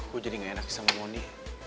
gue jadi gak enak sama moni